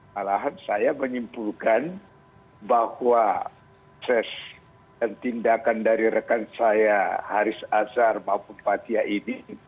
malahan saya menyimpulkan bahwa ses dan tindakan dari rekan saya haris azhar maupun fathia ini